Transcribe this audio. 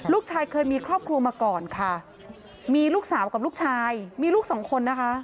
เคยมีครอบครัวมาก่อนค่ะมีลูกสาวกับลูกชายมีลูกสองคนนะคะ